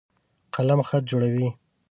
قلم خط جوړوي.